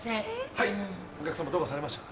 はいお客さまどうかされましたか？